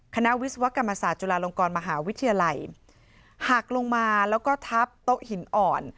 วิศวกรรมศาสตร์จุฬาลงกรมหาวิทยาลัยหักลงมาแล้วก็ทับโต๊ะหินอ่อน